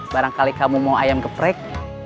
barangkali kamu mau ayam geprek